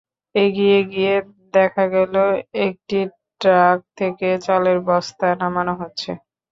এগিয়ে গিয়ে দেখা গেল, একটি ট্রাক থেকে চালের বস্তা নামানো হচ্ছে।